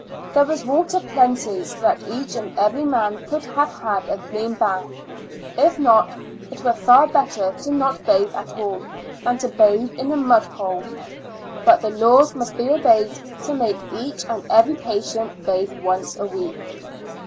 There . was water plenty, so that each and every man could have had a clean bath; if not, it were far better to not bathe at all, than to bathe in a mud hole. But the laws must be obeyed to make each and every patient bathe once a week.